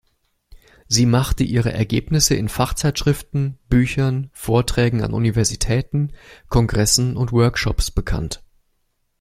Sie machte ihre Ergebnisse in Fachzeitschriften, Büchern, Vorträgen an Universitäten, Kongressen und Workshops bekannt.